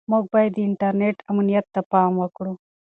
موږ باید د انټرنیټ امنیت ته پام وکړو.